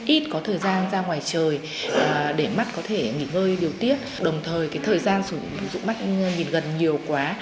ít có thời gian ra ngoài trời để mắt có thể nghỉ ngơi điều tiết đồng thời cái thời gian sử dụng mắt nhìn gần nhiều quá